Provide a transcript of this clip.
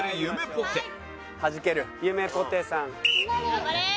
頑張れー！